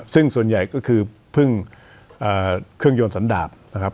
ซึ่งส่วนใหญ่ก็คือพึ่งเครื่องยนต์สันดาบนะครับ